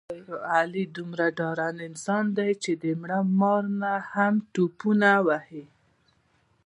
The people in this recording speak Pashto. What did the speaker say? علي دومره ډارن انسان دی، چې مړه مار نه هم ټوپونه وهي.